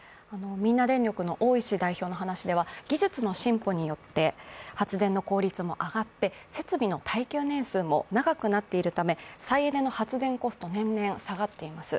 みんな電力の大石代表の話では技術の進歩によって発電の効率も上がって、設備の耐久年数も長くなっているため再エネの発電コスト、年々下がっています。